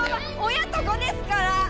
親と子ですから！